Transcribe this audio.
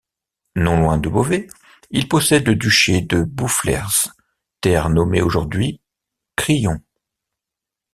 Non loin de Beauvais, il possède le duché de Boufflers, terre nommée aujourd'hui Crillon.